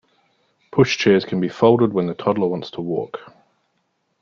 Pushchairs can be folded when the toddler wants to walk